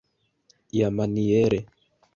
iamaniere